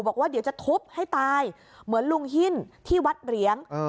บอกว่าเดี๋ยวจะทุบให้ตายเหมือนลุงหิ้นที่วัดเหรียง